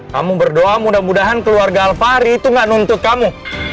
kamu berdoa mudah mudahan keluarga alfari itu gak nuntut kamu